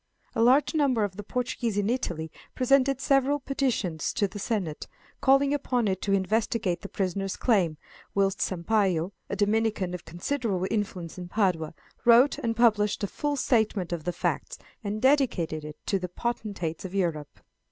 A large number of the Portuguese in Italy presented several petitions to the Senate, calling upon it to investigate the prisoner's claims, whilst Sampayo, a Dominican of considerable influence in Padua, wrote and published a full statement of the facts, and dedicated it to the potentates of Europe.